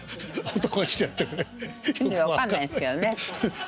意味分かんないですけどね。